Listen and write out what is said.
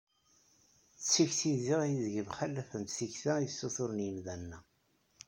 D tikli diɣ ideg mxalafent tikta i ssuturen yimdanen-a.